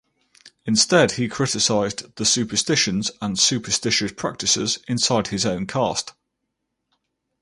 Instead he criticized the superstitions and superstitious practices inside his own caste.